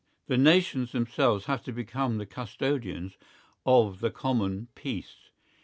The nations themselves have to become the custodians of the common peace.